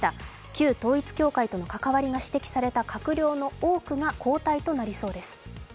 旧統一教会との関係があった閣僚の多くが交代となりそうです。